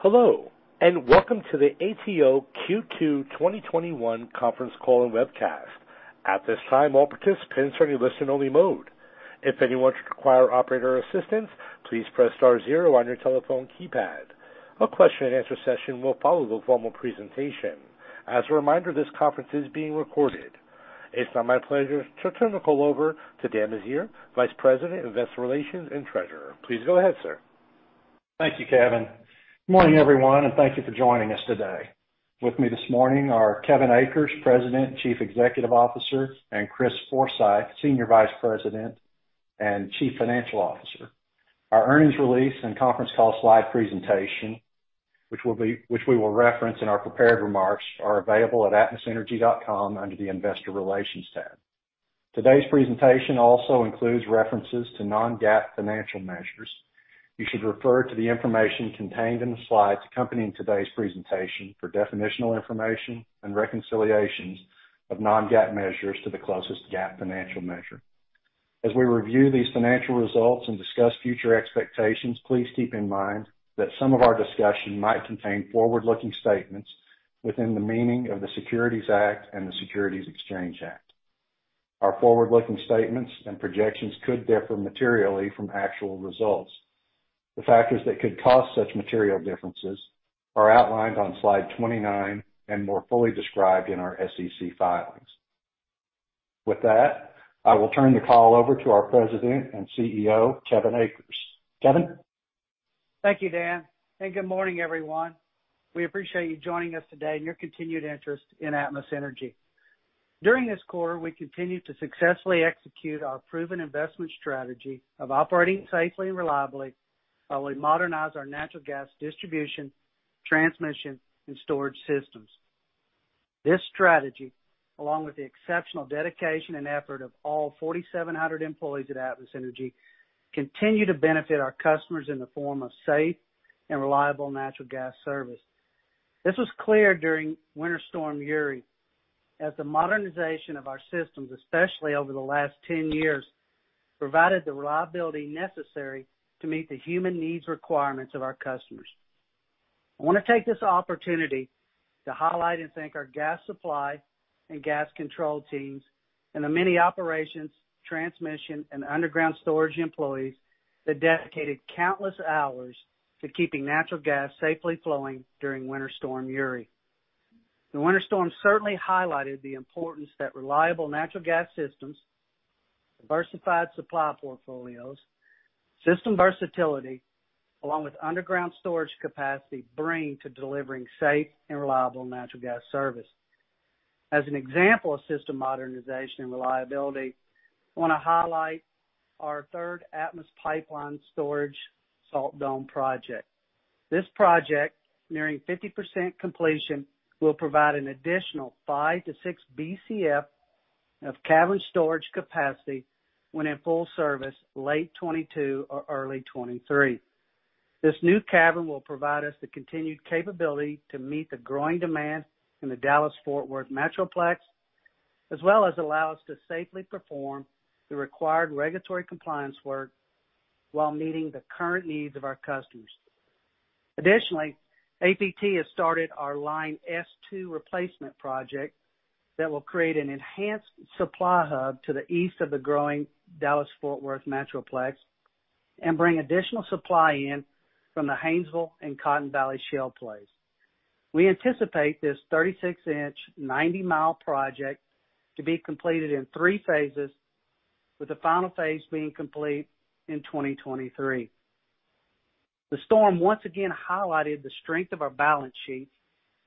Hello, and welcome to the ATO Q2 2021 conference call and webcast. At this time, all participants are in listen only mode. If anyone should require operator assistance, please press star zero on your telephone keypad. A question-and-answer session will follow the formal presentation. As a reminder, this conference is being recorded. It's now my pleasure to turn the call over to Dan Meziere, Vice President of Investor Relations and Treasurer. Please go ahead, sir. Thank you, Kevin. Morning, everyone, thank you for joining us today. With me this morning are Kevin Akers, President and Chief Executive Officer, and Chris Forsythe, Senior Vice President and Chief Financial Officer. Our earnings release and conference call slide presentation, which we will reference in our prepared remarks, are available at atmosenergy.com under the investor relations tab. Today's presentation also includes references to non-GAAP financial measures. You should refer to the information contained in the slides accompanying today's presentation for definitional information and reconciliations of non-GAAP measures to the closest GAAP financial measure. As we review these financial results and discuss future expectations, please keep in mind that some of our discussion might contain forward-looking statements within the meaning of the Securities Act and the Securities Exchange Act. Our forward-looking statements and projections could differ materially from actual results. The factors that could cause such material differences are outlined on Slide 29 and more fully described in our SEC filings. With that, I will turn the call over to our President and CEO, Kevin Akers. Kevin? Thank you, Dan. Good morning, everyone. We appreciate you joining us today and your continued interest in Atmos Energy. During this quarter, we continued to successfully execute our proven investment strategy of operating safely and reliably while we modernize our natural gas distribution, transmission, and storage systems. This strategy, along with the exceptional dedication and effort of all 4,700 employees at Atmos Energy, continue to benefit our customers in the form of safe and reliable natural gas service. This was clear during Winter Storm Uri, as the modernization of our systems, especially over the last 10 years, provided the reliability necessary to meet the human needs requirements of our customers. I want to take this opportunity to highlight and thank our gas supply and gas control teams and the many operations, transmission, and underground storage employees that dedicated countless hours to keeping natural gas safely flowing during Winter Storm Uri. The winter storm certainly highlighted the importance that reliable natural gas systems, diversified supply portfolios, system versatility, along with underground storage capacity, bring to delivering safe and reliable natural gas service. As an example of system modernization and reliability, I want to highlight our third Atmos Pipeline Storage Salt Dome project. This project, nearing 50% completion, will provide an additional five to six BCF of cavern storage capacity when in full service late 2022 or early 2023. This new cavern will provide us the continued capability to meet the growing demand in the Dallas-Fort Worth Metroplex, as well as allow us to safely perform the required regulatory compliance work while meeting the current needs of our customers. Additionally, APT has started our Line S2 replacement project that will create an enhanced supply hub to the east of the growing Dallas-Fort Worth Metroplex and bring additional supply in from the Haynesville and Cotton Valley Shale plays. We anticipate this 36-inch, 90 mi project to be completed in three phases, with the final phase being complete in 2023. The storm once again highlighted the strength of our balance sheet.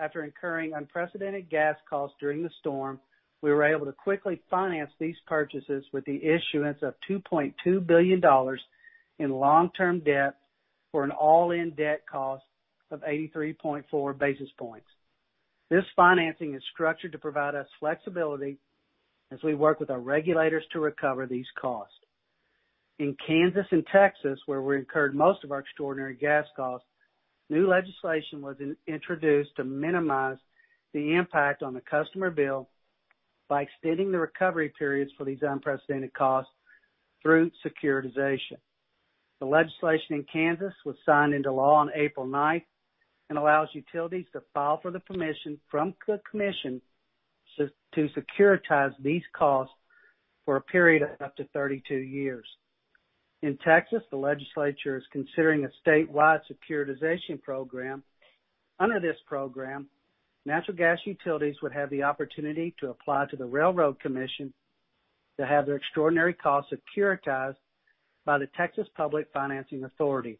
After incurring unprecedented gas costs during the storm, we were able to quickly finance these purchases with the issuance of $2.2 billion in long-term debt for an all-in debt cost of 83.4 basis points. This financing is structured to provide us flexibility as we work with our regulators to recover these costs. In Kansas and Texas, where we incurred most of our extraordinary gas costs, new legislation was introduced to minimize the impact on the customer bill by extending the recovery periods for these unprecedented costs through securitization. The legislation in Kansas was signed into law on April 9th and allows utilities to file for the permission from the commission to securitize these costs for a period of up to 32 years. In Texas, the legislature is considering a statewide securitization program. Under this program, natural gas utilities would have the opportunity to apply to the Railroad Commission to have their extraordinary costs securitized by the Texas Public Finance Authority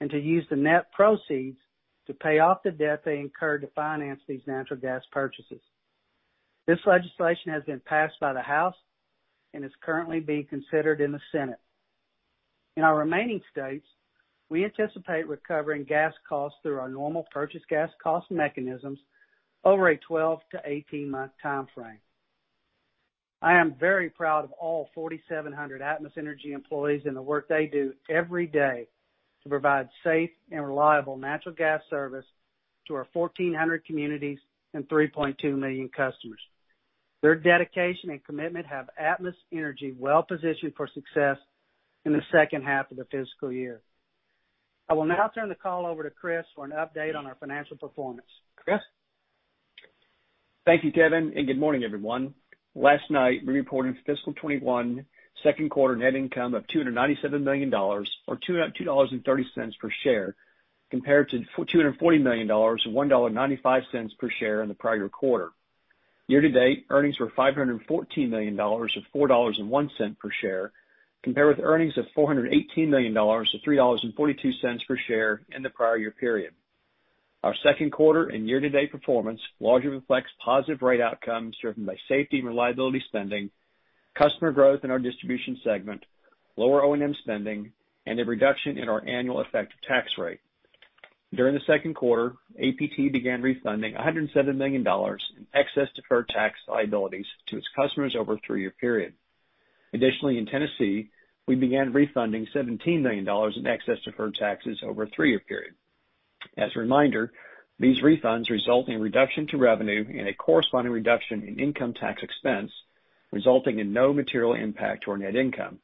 and to use the net proceeds to pay off the debt they incurred to finance these natural gas purchases. This legislation has been passed by the House and is currently being considered in the Senate. In our remaining states, we anticipate recovering gas costs through our normal purchase gas cost mechanisms over a 12-18-month timeframe. I am very proud of all 4,700 Atmos Energy employees and the work they do every day to provide safe and reliable natural gas service to our 1,400 communities and 3.2 million customers. Their dedication and commitment have Atmos Energy well-positioned for success in the second half of the fiscal year. I will now turn the call over to Chris for an update on our financial performance. Chris? Thank you, Kevin, and good morning, everyone. Last night, we reported fiscal 2021 second quarter net income of $297 million, or $2.30 per share, compared to $240 million or $1.95 per share in the prior quarter. Year-to-date, earnings were $514 million or $4.01 per share, compared with earnings of $418 million or $3.42 per share in the prior year period. Our second quarter and year-to-date performance largely reflects positive rate outcomes driven by safety and reliability spending, customer growth in our distribution segment, lower O&M spending, and a reduction in our annual effective tax rate. During the second quarter, APT began refunding $107 million in excess deferred tax liabilities to its customers over a three-year period. Additionally, in Tennessee, we began refunding $17 million in excess deferred taxes over a three-year period. As a reminder, these refunds result in a reduction to revenue and a corresponding reduction in income tax expense, resulting in no material impact to our net income.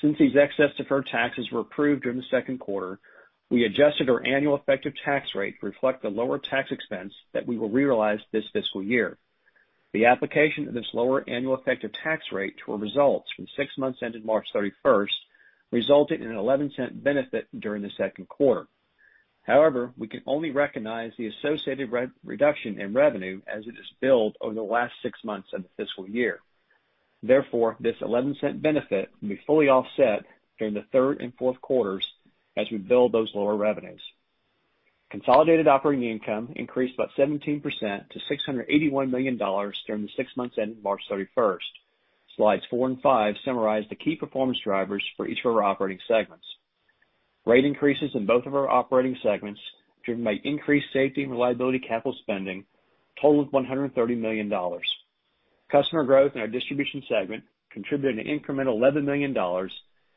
Since these excess deferred taxes were approved during the second quarter, we adjusted our annual effective tax rate to reflect the lower tax expense that we will realize this fiscal year. The application of this lower annual effective tax rate to our results for the six months ended March 31st resulted in an $0.11 benefit during the second quarter. However, we can only recognize the associated reduction in revenue as it is billed over the last six months of the fiscal year. Therefore, this $0.11 benefit will be fully offset during the third and fourth quarters as we bill those lower revenues. Consolidated operating income increased by 17% to $681 million during the six months ended March 31st. Slides four and five summarize the key performance drivers for each of our operating segments. Rate increases in both of our operating segments, driven by increased safety and reliability capital spending, total of $130 million. Customer growth in our distribution segment contributed an incremental $11 million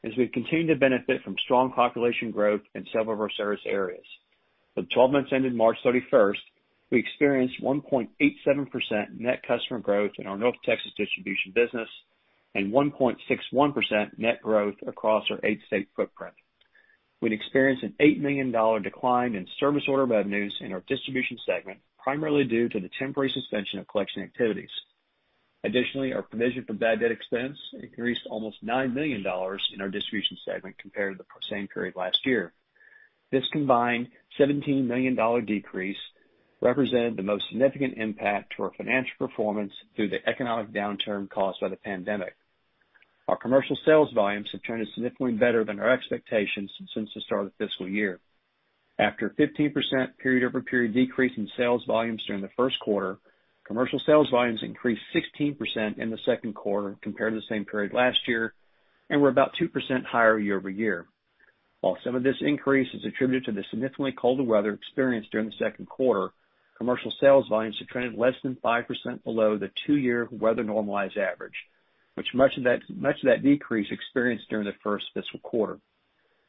as we continue to benefit from strong population growth in several of our service areas. For the 12 months ended March 31st, we experienced 1.87% net customer growth in our North Texas distribution business and 1.61% net growth across our eight-state footprint. We've experienced an $8 million decline in service order revenues in our distribution segment, primarily due to the temporary suspension of collection activities. Additionally, our provision for bad debt expense increased almost $9 million in our distribution segment compared to the same period last year. This combined $17 million decrease represented the most significant impact to our financial performance through the economic downturn caused by the pandemic. Our commercial sales volumes have turned significantly better than our expectations since the start of the fiscal year. After a 15% period-over-period decrease in sales volumes during the first quarter, commercial sales volumes increased 16% in the second quarter compared to the same period last year, and were about 2% higher year-over-year. While some of this increase is attributed to the significantly colder weather experienced during the second quarter, commercial sales volumes have trended less than 5% below the two-year weather normalized average, with much of that decrease experienced during the first fiscal quarter.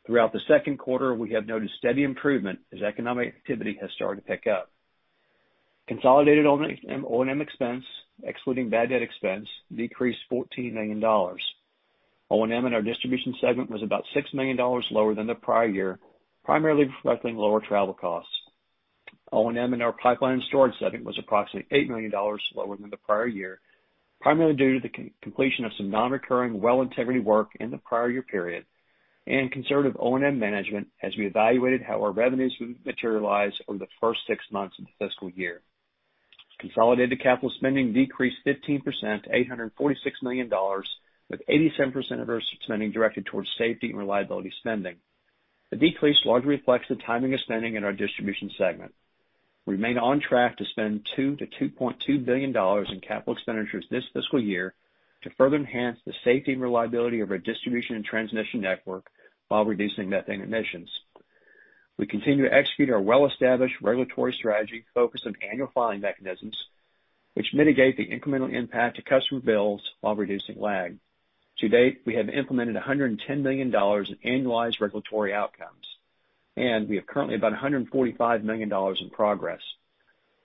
Throughout the second quarter, we have noticed steady improvement as economic activity has started to pick up. Consolidated O&M expense, excluding bad debt expense, decreased $14 million. O&M in our distribution segment was about $6 million lower than the prior year, primarily reflecting lower travel costs. O&M in our pipeline and storage segment was approximately $8 million lower than the prior year, primarily due to the completion of some non-recurring well integrity work in the prior year period and conservative O&M management as we evaluated how our revenues would materialize over the first six months of the fiscal year. Consolidated capital spending decreased 15% to $846 million, with 87% of our spending directed towards safety and reliability spending. The decrease largely reflects the timing of spending in our distribution segment. We remain on track to spend $2 billion-$2.2 billion in capital expenditures this fiscal year to further enhance the safety and reliability of our distribution and transmission network while reducing methane emissions. We continue to execute our well-established regulatory strategy focused on annual filing mechanisms, which mitigate the incremental impact to customer bills while reducing lag. To date, we have implemented $110 million in annualized regulatory outcomes, and we have currently about $145 million in progress.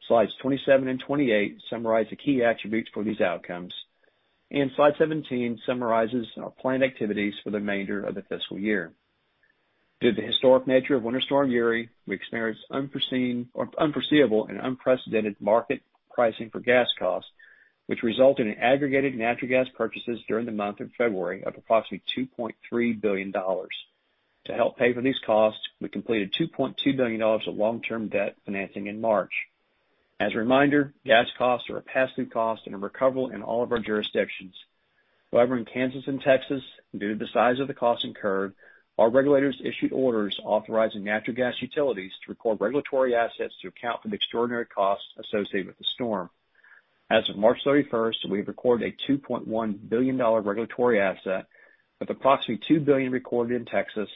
Slides 27 and 28 summarize the key attributes for these outcomes, and Slide 17 summarizes our planned activities for the remainder of the fiscal year. Due to the historic nature of Winter Storm Uri, we experienced unforeseeable and unprecedented market pricing for gas costs, which resulted in aggregated natural gas purchases during the month of February of approximately $2.3 billion. To help pay for these costs, we completed $2.2 billion of long-term debt financing in March. As a reminder, gas costs are a pass-through cost and are recoverable in all of our jurisdictions. In Kansas and Texas, due to the size of the costs incurred, our regulators issued orders authorizing natural gas utilities to record regulatory assets to account for the extraordinary costs associated with the storm. As of March 31st, we have recorded a $2.1 billion regulatory asset, with approximately $2 billion recorded in Texas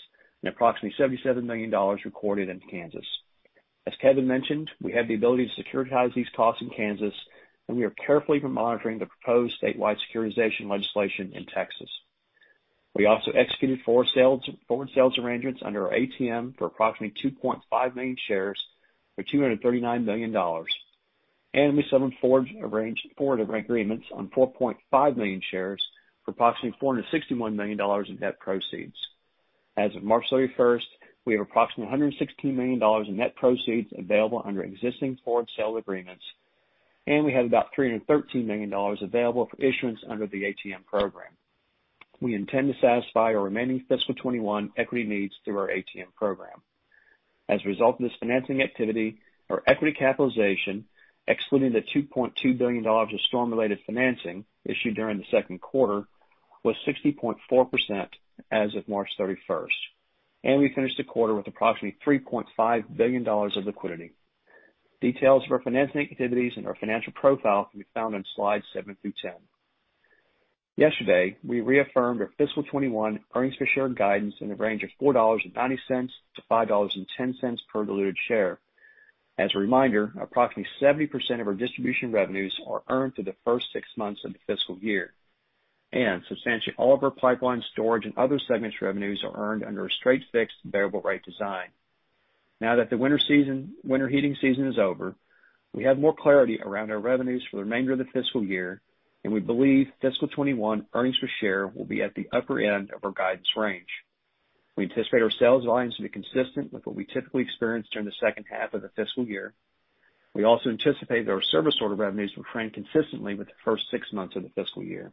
and approximately $77 million recorded in Kansas. As Kevin mentioned, we have the ability to securitize these costs in Kansas, we are carefully monitoring the proposed statewide securitization legislation in Texas. We also executed forward sales arrangements under our ATM for approximately 2.5 million shares for $239 million. We signed four different agreements on 4.5 million shares for approximately $461 million in net proceeds. As of March 31st, we have approximately $116 million in net proceeds available under existing forward sale agreements, we have about $313 million available for issuance under the ATM program. We intend to satisfy our remaining fiscal 2021 equity needs through our ATM program. As a result of this financing activity, our equity capitalization, excluding the $2.2 billion of storm-related financing issued during the second quarter, was 60.4% as of March 31st. We finished the quarter with approximately $3.5 billion of liquidity. Details of our financing activities and our financial profile can be found on slides seven through 10. Yesterday, we reaffirmed our fiscal 2021 earnings per share guidance in the range of $4.90 to $5.10 per diluted share. As a reminder, approximately 70% of our distribution revenues are earned through the first six months of the fiscal year, and substantially all of our pipeline storage and other segment's revenues are earned under a straight fixed variable rate design. Now that the winter heating season is over, we have more clarity around our revenues for the remainder of the fiscal year, and we believe fiscal 2021 earnings per share will be at the upper end of our guidance range. We anticipate our sales volumes to be consistent with what we typically experience during the second half of the fiscal year. We also anticipate that our service order revenues will trend consistently with the first six months of the fiscal year.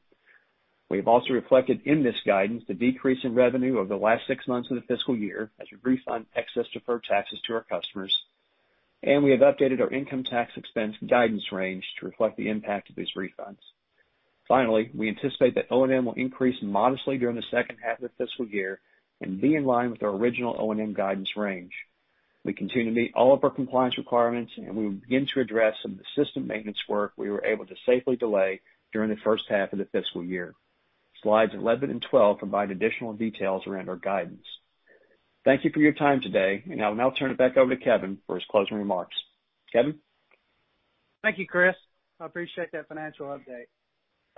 We have also reflected in this guidance the decrease in revenue over the last six months of the fiscal year as we refund excess deferred taxes to our customers, and we have updated our income tax expense guidance range to reflect the impact of these refunds. Finally, we anticipate that O&M will increase modestly during the second half of the fiscal year and be in line with our original O&M guidance range. We continue to meet all of our compliance requirements, and we will begin to address some of the system maintenance work we were able to safely delay during the first half of the fiscal year. Slides 11 and 12 provide additional details around our guidance. Thank you for your time today, and I will now turn it back over to Kevin for his closing remarks. Kevin? Thank you, Chris. I appreciate that financial update.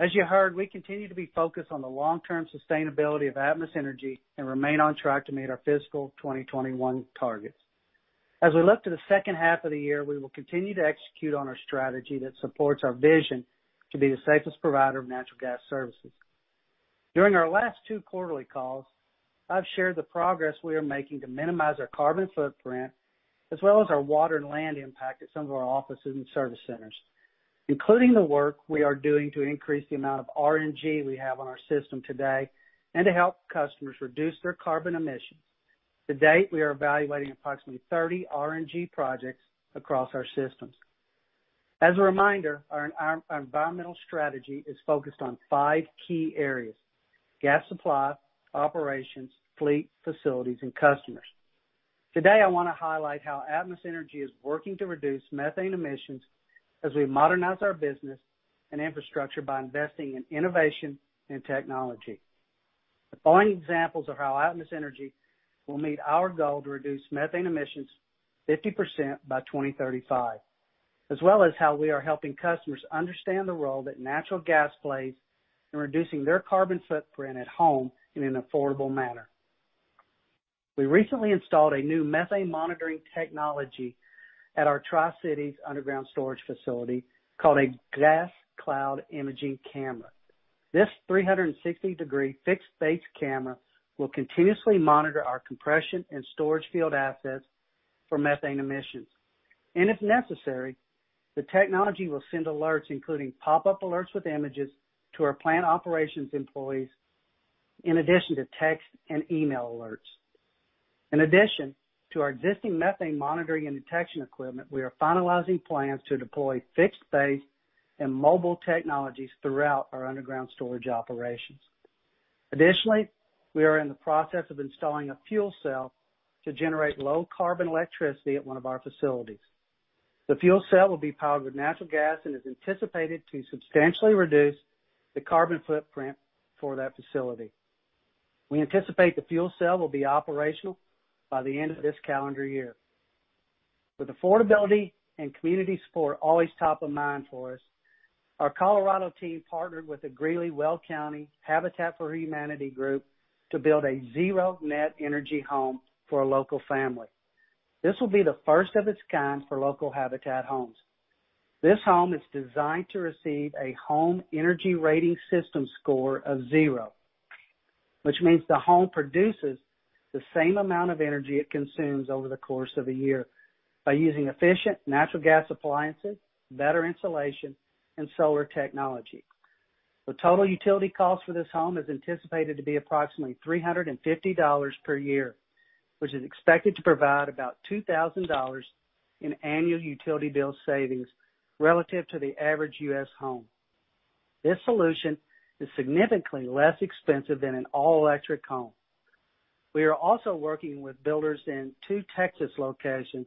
As you heard, we continue to be focused on the long-term sustainability of Atmos Energy and remain on track to meet our fiscal 2021 targets. As we look to the second half of the year, we will continue to execute on our strategy that supports our vision to be the safest provider of natural gas services. During our last two quarterly calls, I've shared the progress we are making to minimize our carbon footprint, as well as our water and land impact at some of our offices and service centers, including the work we are doing to increase the amount of RNG we have on our system today and to help customers reduce their carbon emissions. To date, we are evaluating approximately 30 RNG projects across our systems. As a reminder, our environmental strategy is focused on five key areas: gas supply, operations, fleet, facilities, and customers. Today, I want to highlight how Atmos Energy is working to reduce methane emissions as we modernize our business and infrastructure by investing in innovation and technology. The following examples of how Atmos Energy will meet our goal to reduce methane emissions 50% by 2035, as well as how we are helping customers understand the role that natural gas plays in reducing their carbon footprint at home in an affordable manner. We recently installed a new methane monitoring technology at our Tri-Cities underground storage facility called a Gas Cloud Imaging Camera. This 360-degree fixed-based camera will continuously monitor our compression and storage field assets for methane emissions. If necessary, the technology will send alerts, including pop-up alerts with images, to our plant operations employees, in addition to text and email alerts. In addition to our existing methane monitoring and detection equipment, we are finalizing plans to deploy fixed-based and mobile technologies throughout our underground storage operations. Additionally, we are in the process of installing a fuel cell to generate low-carbon electricity at one of our facilities. The fuel cell will be powered with natural gas and is anticipated to substantially reduce the carbon footprint for that facility. We anticipate the fuel cell will be operational by the end of this calendar year. With affordability and community support always top of mind for us, our Colorado team partnered with the Greeley-Weld Habitat for Humanity to build a zero net energy home for a local family. This will be the first of its kind for local habitat homes. This home is designed to receive a Home Energy Rating System score of zero, which means the home produces the same amount of energy it consumes over the course of a year by using efficient natural gas appliances, better insulation, and solar technology. The total utility cost for this home is anticipated to be approximately $350 per year, which is expected to provide about $2,000 in annual utility bill savings relative to the average U.S. home. This solution is significantly less expensive than an all-electric home. We are also working with builders in two Texas locations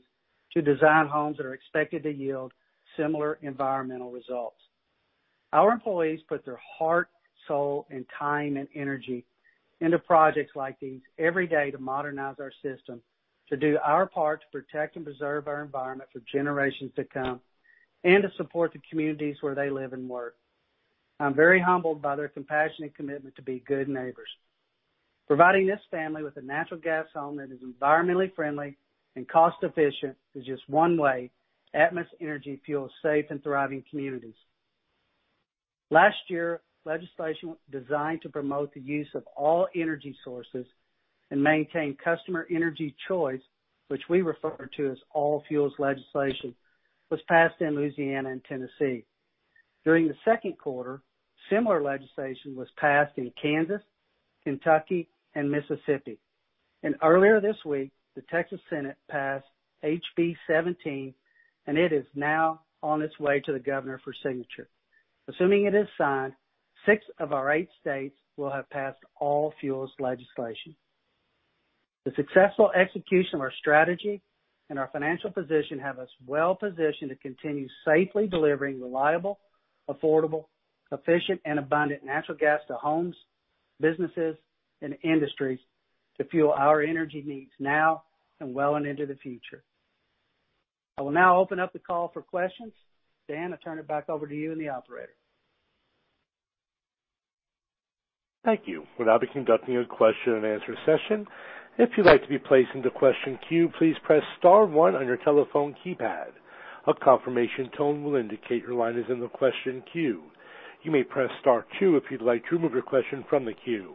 to design homes that are expected to yield similar environmental results. Our employees put their heart, soul, and time and energy into projects like these every day to modernize our system, to do our part to protect and preserve our environment for generations to come, to support the communities where they live and work. I'm very humbled by their compassion and commitment to be good neighbors. Providing this family with a natural gas home that is environmentally friendly and cost efficient is just one way Atmos Energy fuels safe and thriving communities. Last year, legislation designed to promote the use of all energy sources and maintain customer energy choice, which we refer to as All Fuels legislation, was passed in Louisiana and Tennessee. During the second quarter, similar legislation was passed in Kansas, Kentucky, and Mississippi. Earlier this week, the Texas Senate passed HB17, and it is now on its way to the governor for signature. Assuming it is signed, six of our eight states will have passed All Fuels legislation. The successful execution of our strategy and our financial position have us well-positioned to continue safely delivering reliable, affordable, efficient, and abundant natural gas to homes, businesses, and industries to fuel our energy needs now and well into the future. I will now open up the call for questions. Dan, I turn it back over to you and the operator. Thank you. We'll now be conducting a question-and-answer session. If you'd like to be placed into question queue, please press star one on your telephone keypad. A confirmation tone will indicate your line is in the question queue. You may press star two if you'd like to remove your question from the queue.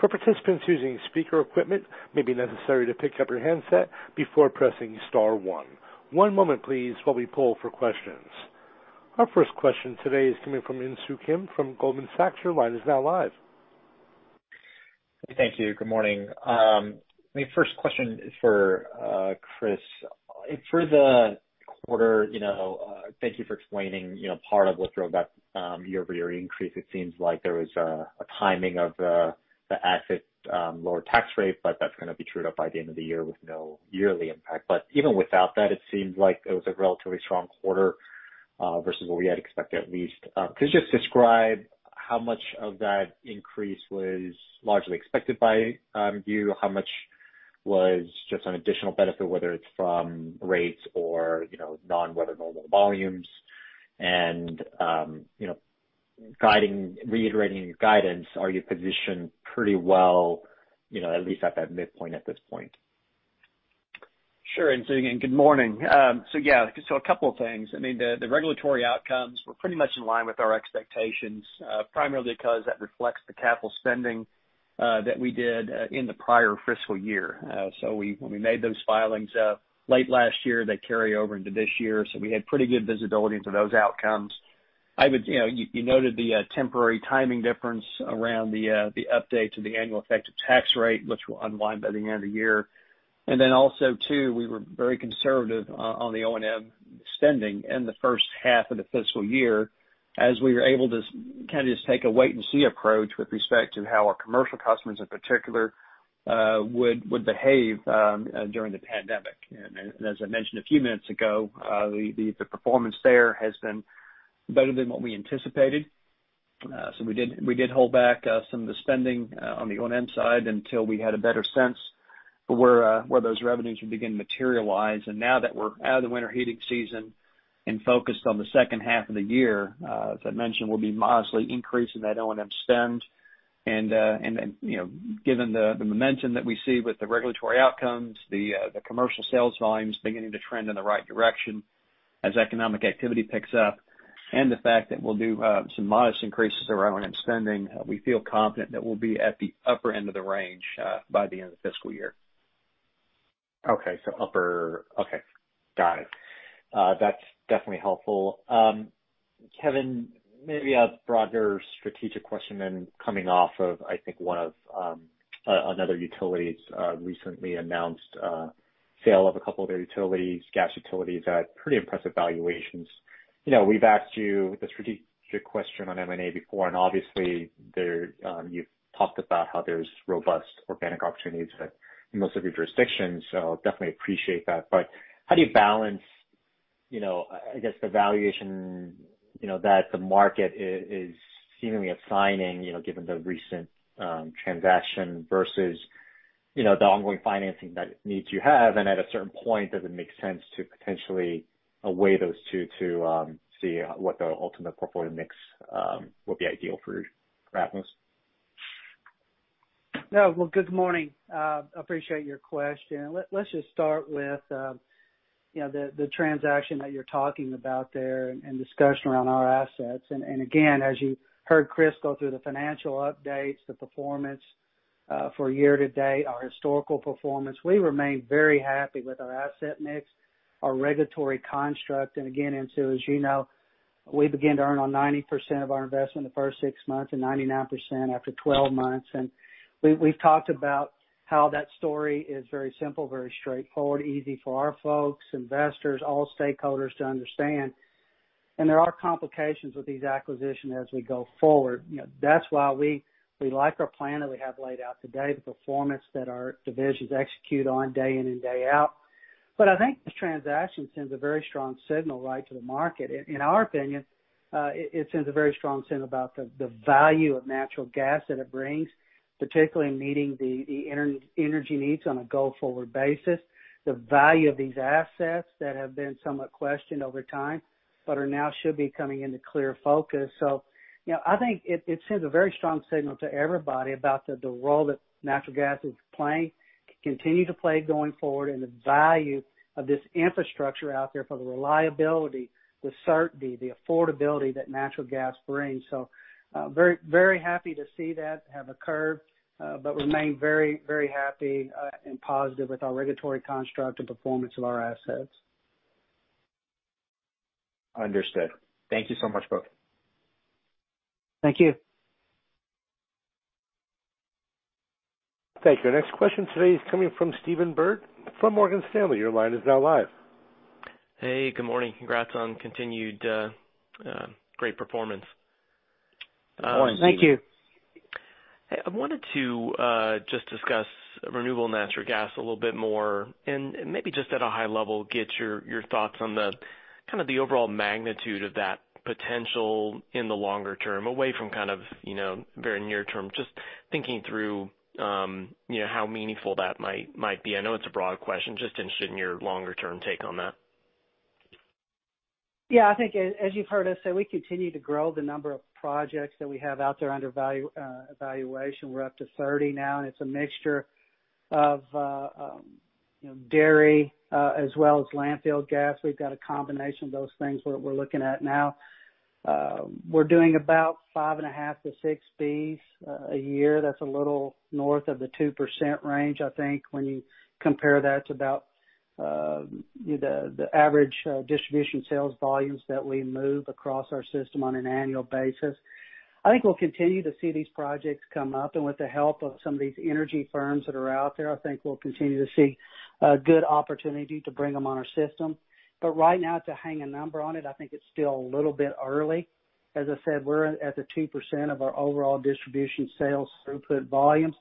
For participants using speaker equipment, it may be necessary to pick up your handset before pressing star one. One moment, please, while we poll for questions. Our first question today is coming from Insoo Kim from Goldman Sachs. Your line is now live. Thank you. Good morning. My first question is for Chris. For the quarter, thank you for explaining part of what drove that year-over-year increase. It seems like there was a timing of the asset lower tax rate, but that's going to be trued up by the end of the year with no yearly impact. Even without that, it seems like it was a relatively strong quarter versus what we had expected, at least. Could you just describe how much of that increase was largely expected by you? How much was just an additional benefit, whether it's from rates or non-weather normal volumes? Reiterating your guidance, are you positioned pretty well, at least at that midpoint at this point? Sure. Insoo, again, good morning. A couple of things. The regulatory outcomes were pretty much in line with our expectations primarily because that reflects the capital spending that we did in the prior fiscal year. When we made those filings late last year, they carry over into this year, so we had pretty good visibility into those outcomes. You noted the temporary timing difference around the update to the annual effective tax rate, which will unwind by the end of the year. We were very conservative on the O&M spending in the first half of the fiscal year as we were able to kind of just take a wait and see approach with respect to how our commercial customers in particular would behave during the pandemic. As I mentioned a few minutes ago, the performance there has been better than what we anticipated. We did hold back some of the spending on the O&M side until we had a better sense for where those revenues would begin to materialize. Now that we're out of the winter heating season and focused on the second half of the year, as I mentioned, we'll be modestly increasing that O&M spend. Given the momentum that we see with the regulatory outcomes, the commercial sales volumes beginning to trend in the right direction as economic activity picks up, and the fact that we'll do some modest increases around O&M spending, we feel confident that we'll be at the upper end of the range by the end of the fiscal year. Okay. Upper. Okay. Got it. That's definitely helpful. Kevin, maybe a broader strategic question coming off of, I think, another utility's recently announced sale of a couple of their gas utilities at pretty impressive valuations. We've asked you the strategic question on M&A before, obviously, you've talked about how there's robust organic opportunities in most of your jurisdictions, definitely appreciate that. How do you balance, I guess, the valuation that the market is seemingly assigning given the recent transaction versus the ongoing financing that needs you have? At a certain point, does it make sense to potentially weigh those two to see what the ultimate portfolio mix will be ideal for Atmos? Well, good morning. Appreciate your question. Let's just start with the transaction that you're talking about there and discussion around our assets. Again, as you heard Chris go through the financial updates, the performance for year-to-date, our historical performance, we remain very happy with our asset mix, our regulatory construct. Again, Insoo, as you know, we begin to earn on 90% of our investment the first six months and 99% after 12 months. We've talked about how that story is very simple, very straightforward, easy for our folks, investors, all stakeholders to understand. There are complications with these acquisitions as we go forward. That's why we like our plan that we have laid out today, the performance that our divisions execute on day in and day out. I think this transaction sends a very strong signal right to the market. It sends a very strong signal about the value of natural gas that it brings, particularly in meeting the energy needs on a go-forward basis. The value of these assets that have been somewhat questioned over time, but should be coming into clear focus. I think it sends a very strong signal to everybody about the role that natural gas is playing, can continue to play going forward, and the value of this infrastructure out there for the reliability, the certainty, the affordability that natural gas brings. Very happy to see that have occurred, but remain very happy and positive with our regulatory construct and performance of our assets. Understood. Thank you so much, both. Thank you. Thank you. Our next question today is coming from Stephen Byrd from Morgan Stanley. Your line is now live. Hey, good morning. Congrats on continued great performance. Good morning. Thank you. Hey, I wanted to just discuss renewable natural gas a little bit more and maybe just at a high level, get your thoughts on the overall magnitude of that potential in the longer-term, away from very near-term, just thinking through how meaningful that might be. I know it's a broad question. Just interested in your longer-term take on that. Yeah, I think as you've heard us say, we continue to grow the number of projects that we have out there under evaluation. We're up to 30 now, and it's a mixture of dairy as well as landfill gas. We've got a combination of those things we're looking at now. We're doing about 5.5 BCF to 6 BCF a year. That's a little north of the 2% range, I think, when you compare that to about the average distribution sales volumes that we move across our system on an annual basis. I think we'll continue to see these projects come up, and with the help of some of these energy firms that are out there, I think we'll continue to see a good opportunity to bring them on our system. Right now, to hang a number on it, I think it's still a little bit early. As I said, we're at the 2% of our overall distribution sales throughput volumes.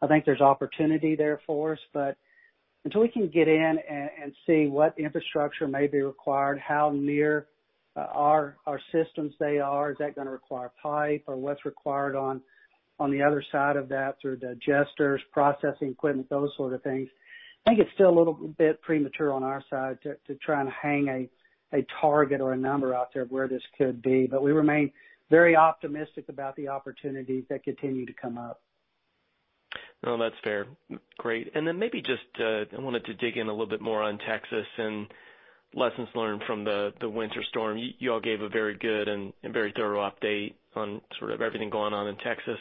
I think there's opportunity there for us, until we can get in and see what infrastructure may be required, how near our systems they are, is that going to require pipe or what's required on the other side of that through digesters, processing equipment, those sort of things? I think it's still a little bit premature on our side to try and hang a target or a number out there of where this could be. We remain very optimistic about the opportunities that continue to come up. No, that's fair. Great. Maybe just, I wanted to dig in a little bit more on Texas and lessons learned from Winter Storm Uri. You all gave a very good and very thorough update on sort of everything going on in Texas.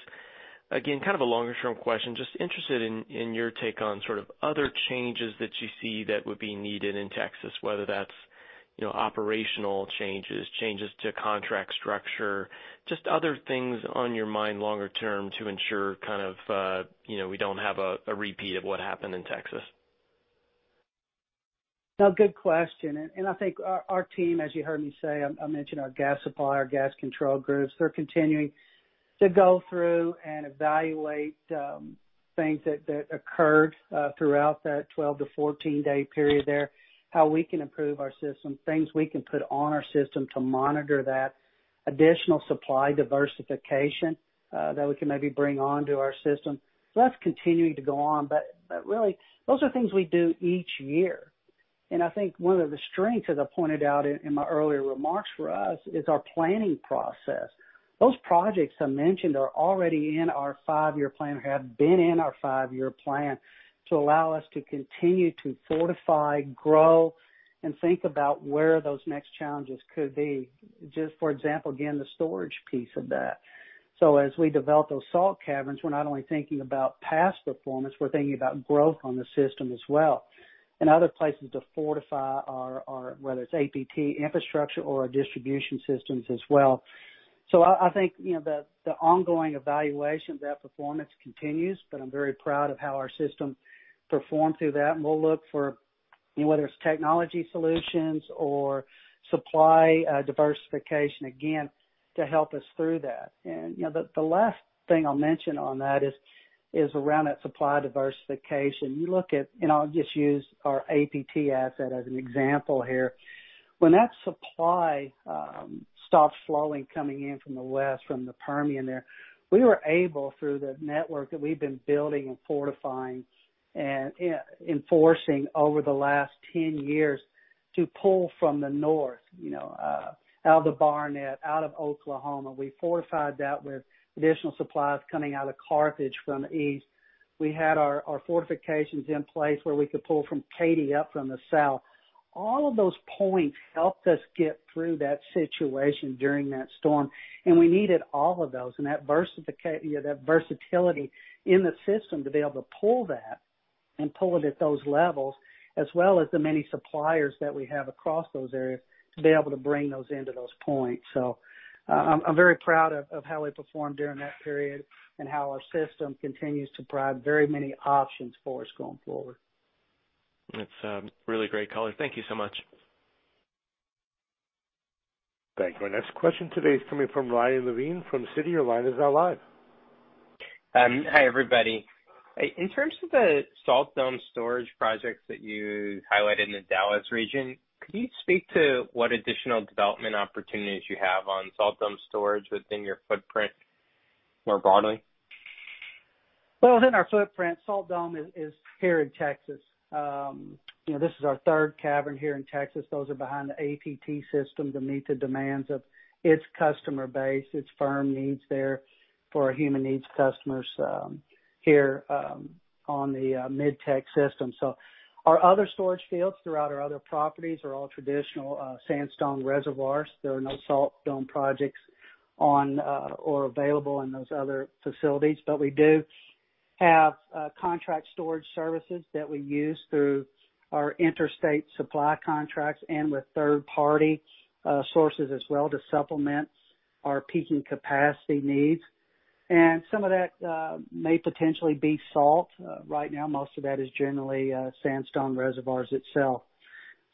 Again, kind of a longer-term question, just interested in your take on sort of other changes that you see that would be needed in Texas, whether that's operational changes to contract structure, just other things on your mind longer-term to ensure we don't have a repeat of what happened in Texas. No, good question. I think our team, as you heard me say, I mentioned our gas supplier, gas control groups, they're continuing to go through and evaluate things that occurred throughout that 12-14-day period there, how we can improve our system, things we can put on our system to monitor that additional supply diversification that we can maybe bring onto our system. That's continuing to go on. Really, those are things we do each year. I think one of the strengths, as I pointed out in my earlier remarks for us, is our planning process. Those projects I mentioned are already in our five-year plan or have been in our five-year plan to allow us to continue to fortify, grow, and think about where those next challenges could be. Just for example, again, the storage piece of that. As we develop those salt caverns, we're not only thinking about past performance, we're thinking about growth on the system as well, and other places to fortify our, whether it's APT infrastructure or our distribution systems as well. I think the ongoing evaluation of that performance continues, but I'm very proud of how our system performed through that. We'll look for whether it's technology solutions or supply diversification, again, to help us through that. The last thing I'll mention on that is around that supply diversification. You look at, I'll just use our APT asset as an example here. When that supply stopped flowing coming in from the west, from the Permian there, we were able, through the network that we've been building and fortifying and enforcing over the last 10 years, to pull from the north, out of the Barnett, out of Oklahoma. We fortified that with additional supplies coming out of Carthage from the east. We had our fortifications in place where we could pull from Katy up from the south. All of those points helped us get through that situation during that storm, and we needed all of those and that versatility in the system to be able to pull that and pull it at those levels, as well as the many suppliers that we have across those areas to be able to bring those into those points. I'm very proud of how we performed during that period and how our system continues to provide very many options for us going forward. That's really great color. Thank you so much. Thank you. Our next question today is coming from Ryan Levine from Citi. Your line is now live. Hi, everybody. In terms of the salt dome storage projects that you highlighted in the Dallas region, could you speak to what additional development opportunities you have on salt dome storage within your footprint more broadly? Within our footprint, salt dome is here in Texas. This is our third cavern here in Texas. Those are behind the APT system to meet the demands of its customer base, its firm needs there for our human needs customers here on the Mid-Tex system. Our other storage fields throughout our other properties are all traditional sandstone reservoirs. There are no salt dome projects on or available in those other facilities. We do have contract storage services that we use through our interstate supply contracts and with third-party sources as well to supplement our peaking capacity needs. Some of that may potentially be salt. Right now, most of that is generally sandstone reservoirs itself.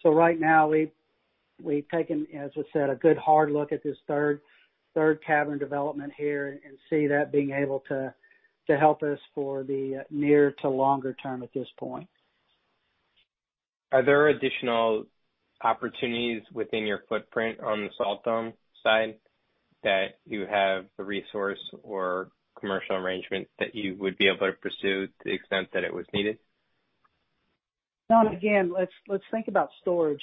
Right now we've taken, as we said, a good hard look at this third cavern development here and see that being able to help us for the near to longer-term at this point. Are there additional opportunities within your footprint on the salt dome side that you have the resource or commercial arrangement that you would be able to pursue to the extent that it was needed? No, again, let's think about storage.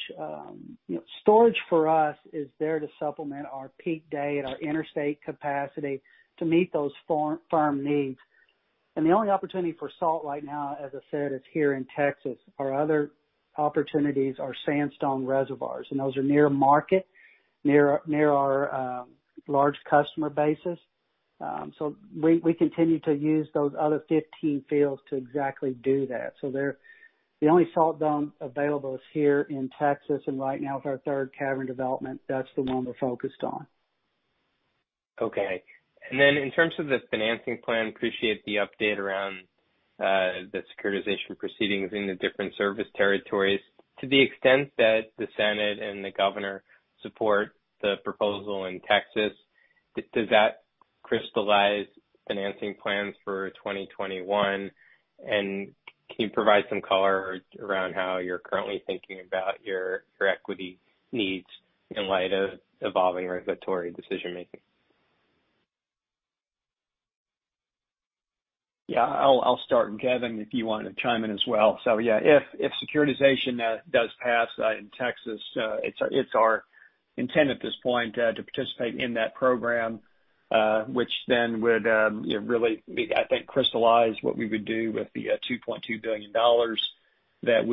Storage for us is there to supplement our peak day and our interstate capacity to meet those firm needs. The only opportunity for salt right now, as I said, is here in Texas. Our other opportunities are sandstone reservoirs, and those are near market, near our large customer bases. We continue to use those other 15 fields to exactly do that. The only salt dome available is here in Texas, and right now with our third cavern development, that's the one we're focused on. Okay. In terms of this financing plan, appreciate the update around the securitization proceedings in the different service territories. To the extent that the Senate and the Governor support the proposal in Texas, does that crystallize financing plans for 2021? Can you provide some color around how you're currently thinking about your equity needs in light of evolving regulatory decision-making? Yeah, I'll start, and Kevin, if you want to chime in as well. Yeah, if securitization does pass in Texas, it's our intent at this point to participate in that program, which then would really, I think, crystallize what we would do with the $2.2 billion that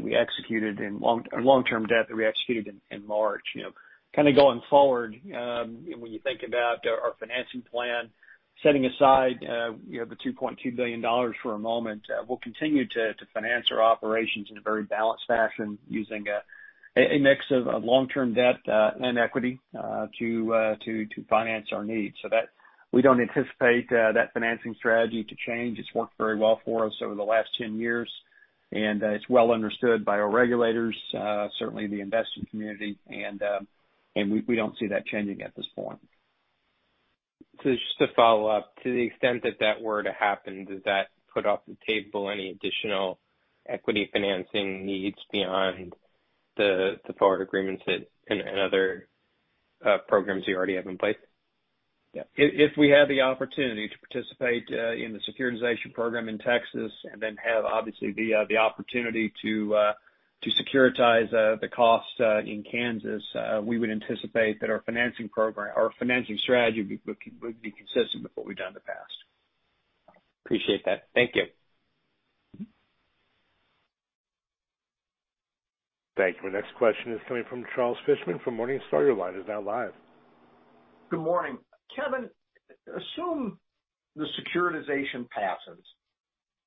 we executed in long-term debt that we executed in March. Kind of going forward, when you think about our financing plan, setting aside the $2.2 billion for a moment, we'll continue to finance our operations in a very balanced fashion using a mix of long-term debt and equity to finance our needs. That we don't anticipate that financing strategy to change. It's worked very well for us over the last 10 years, and it's well understood by our regulators, certainly the investing community. We don't see that changing at this point. Just to follow up, to the extent that that were to happen, does that put off the table any additional equity financing needs beyond the forward agreements and other programs you already have in place? Yeah. If we have the opportunity to participate in the securitization program in Texas and then have obviously the opportunity to securitize the costs in Kansas, we would anticipate that our financing strategy would be consistent with what we've done in the past. Appreciate that. Thank you. Thank you. The next question is coming from Charles Fishman from Morningstar. Your line is now live. Good morning. Kevin, assume the securitization passes.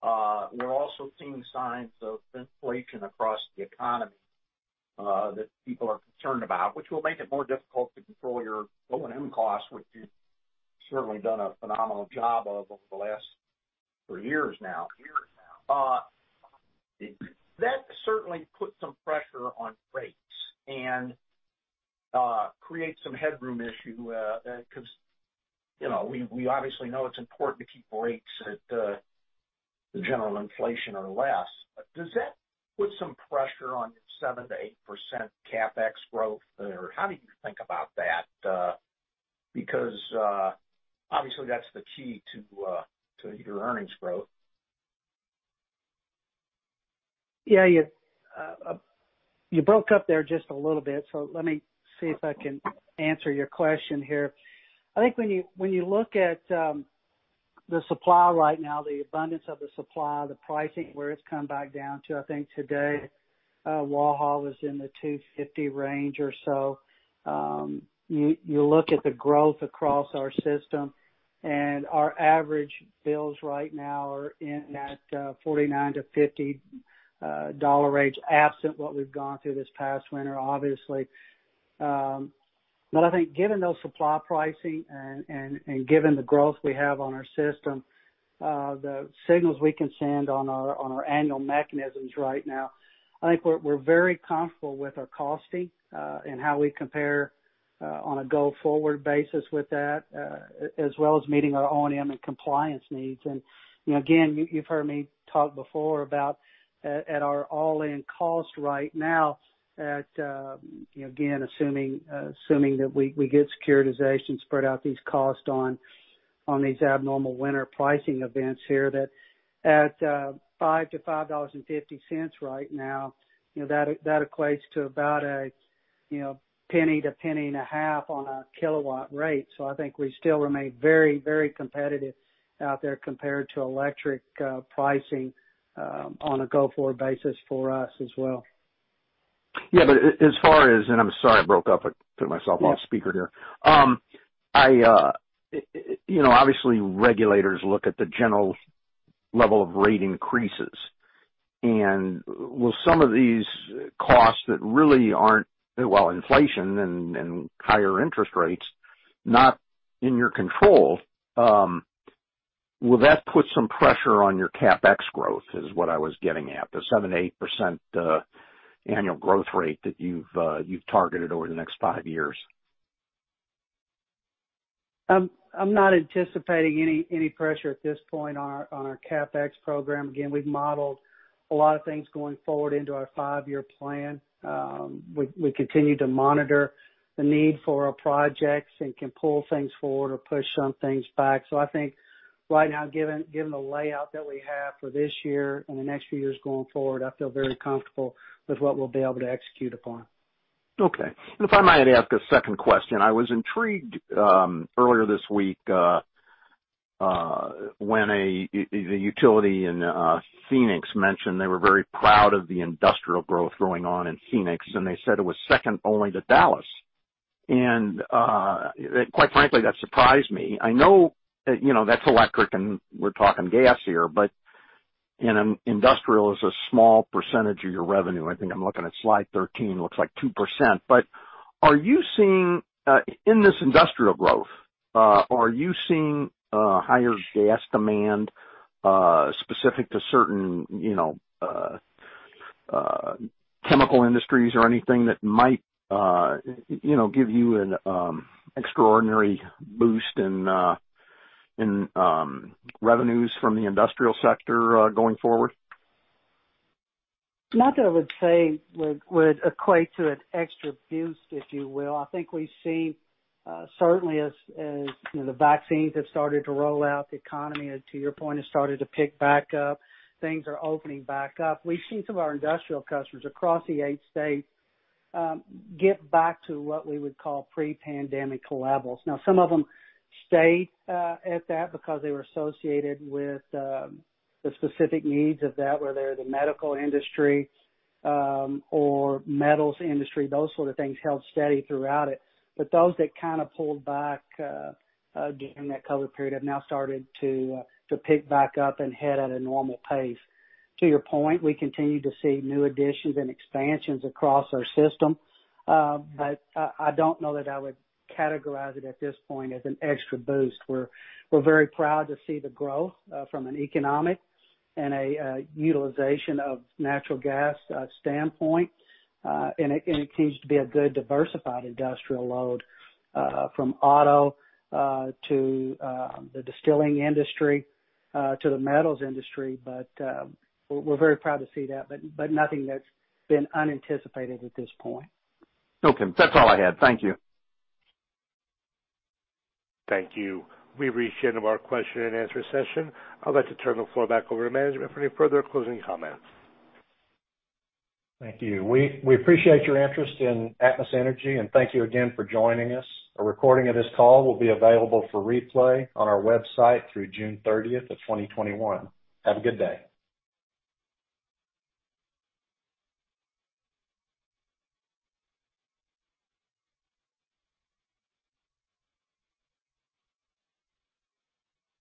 We're also seeing signs of inflation across the economy that people are concerned about, which will make it more difficult to control your O&M costs, which you've certainly done a phenomenal job of over the last three years now. That certainly puts some pressure on rates and creates some headroom issue because we obviously know it's important to keep rates at the general inflation or less. Does that put some pressure on your 7%-8% CapEx growth? How do you think about that? Obviously that's the key to your earnings growth. Yeah. You broke up there just a little bit, let me see if I can answer your question here. I think when you look at the supply right now, the abundance of the supply, the pricing, where it's come back down to, I think today, Waha is in the $2.50 range or so. You look at the growth across our system, our average bills right now are in that $49-$50 range, absent what we've gone through this past winter, obviously. I think given those supply pricing and given the growth we have on our system, the signals we can send on our annual mechanisms right now, I think we're very comfortable with our costing and how we compare on a go-forward basis with that, as well as meeting our O&M and compliance needs. Again, you've heard me talk before about at our all-in cost right now at, again, assuming that we get securitization, spread out these costs on these abnormal winter pricing events here, that at $5-$5.50 right now, that equates to about a $0.01-$0.015 on a kilowatt rate. I think we still remain very competitive out there compared to electric pricing on a go-forward basis for us as well. Yeah. I'm sorry, I broke up. I put myself on speaker here. Yeah. Obviously, regulators look at the general level of rate increases. Will some of these costs that really, well, inflation and higher interest rates, not in your control, will that put some pressure on your CapEx growth, is what I was getting at, the 7%-8% annual growth rate that you've targeted over the next five years? I'm not anticipating any pressure at this point on our CapEx program. Again, we've modeled a lot of things going forward into our five-year plan. We continue to monitor the need for our projects and can pull things forward or push some things back. I think right now, given the layout that we have for this year and the next few years going forward, I feel very comfortable with what we'll be able to execute upon. Okay. If I might ask a second question, I was intrigued earlier this week when the utility in Phoenix mentioned they were very proud of the industrial growth going on in Phoenix, and they said it was second only to Dallas. Quite frankly, that surprised me. I know that's electric and we're talking gas here, industrial is a small percentage of your revenue. I think I'm looking at Slide 13, looks like 2%. In this industrial growth, are you seeing higher gas demand specific to certain chemical industries or anything that might give you an extraordinary boost in revenues from the industrial sector going forward? Not that I would say would equate to an extra boost, if you will. I think we've seen certainly as the vaccines have started to roll out, the economy, to your point, has started to pick back up. Things are opening back up. We've seen some of our industrial customers across the eight states get back to what we would call pre-pandemic levels. Now, some of them stayed at that because they were associated with the specific needs of that, whether they're the medical industry or metals industry. Those sort of things held steady throughout it. Those that kind of pulled back during that COVID period have now started to pick back up and head at a normal pace. To your point, we continue to see new additions and expansions across our system. I don't know that I would categorize it at this point as an extra boost. We're very proud to see the growth from an economic and a utilization of natural gas standpoint. It seems to be a good diversified industrial load from auto to the distilling industry to the metals industry. We're very proud to see that. Nothing that's been unanticipated at this point. Okay. That's all I had. Thank you. Thank you. We've reached the end of our question-and-answer session. I'd like to turn the floor back over to management for any further closing comments. Thank you. We appreciate your interest in Atmos Energy, and thank you again for joining us. A recording of this call will be available for replay on our website through June 30th of 2021. Have a good day.